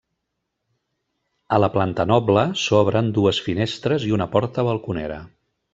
A la planta noble s'obren dues finestres i una porta balconera.